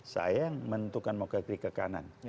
saya yang menentukan mau kekri ke kanan